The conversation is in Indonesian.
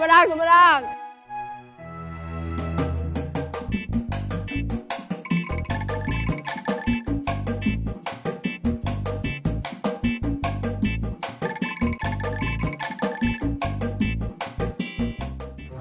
semedang semedang semedang